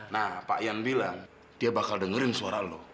nah pak ian bilang dia bakal dengerin suara loh